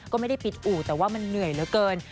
ก็ไม่ได้ปิดอู่แต่ว่ามันเหนื่อยเหลือเกิน